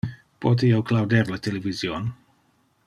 Pote io clauder le television?